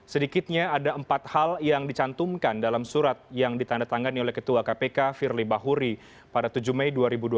sedikitnya ada empat hal yang dicantumkan dalam surat yang ditandatangani oleh ketua kpk firly bahuri pada tujuh mei dua ribu dua puluh